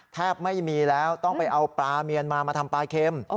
แทบไม่มีแล้วต้องไปเอาปลาเมียนมามาทำปลาเค็ม